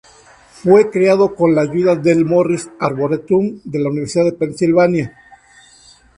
Fue creado con la ayuda del Morris Arboretum de la Universidad de Pennsylvania.